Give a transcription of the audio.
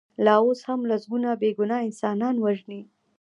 لا اوس هم لسګونه بې ګناه انسانان وژني.